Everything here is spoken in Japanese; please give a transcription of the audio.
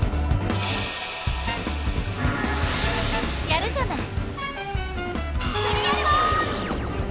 やるじゃない。